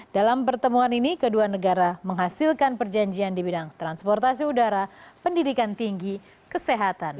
dalam pertemuan ini kedua negara menghasilkan perjanjian di bidang transportasi udara pendidikan tinggi kesehatan